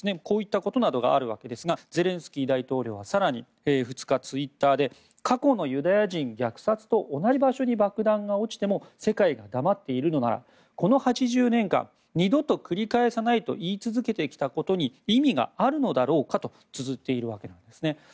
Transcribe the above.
こういったことなどがあるわけですがゼレンスキー大統領は更に２日、ツイッターで過去のユダヤ人虐殺と同じ場所に爆弾が落ちても世界が黙っているのならこの８０年間二度と繰り返さないと言い続けてきたことに意味があるのだろうかとつづっているわけですね。